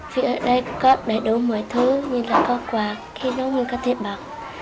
vì ở đây có đầy đủ mọi thứ như là có quà khi lúc mình có thể bạc